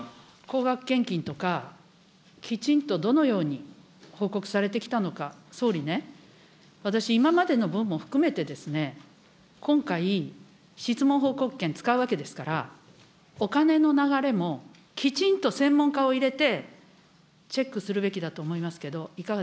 高額献金とか、きちんとどのように報告されてきたのか、総理ね、私、今までの分も含めて、今回、質問報告権使うわけですから、お金の流れもきちんと専門家を入れて、チェックするべきだと思い